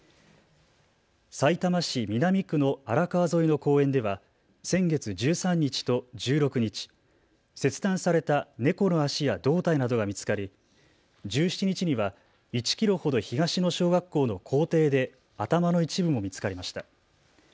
さいたま市南区の荒川沿いの公園では先月１３日と１６日、切断された猫の足や胴体などが見つかり１７日には１キロほど東の小学校の校庭で頭の一部も見つかりました。